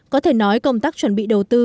có thể nói công tác chuẩn bị đầu tư